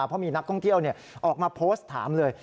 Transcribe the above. เพราะมีนักท่องเที่ยวออกมาโพสต์ถามเลย